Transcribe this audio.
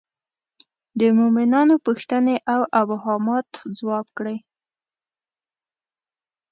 د مومنانو پوښتنې او ابهامات ځواب کړي.